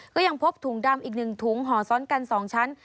ก็ยังพบถุงดำอีก๑ถุงห่อซ้อนกัน๒ชั้น